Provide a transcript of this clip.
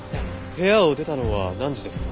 部屋を出たのは何時ですか？